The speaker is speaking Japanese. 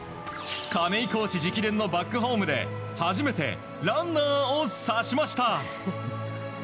亀井コーチ直伝のバックホームで初めてランナーを刺しました。